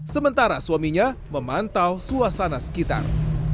sementara suaminya memantau suasana sekitar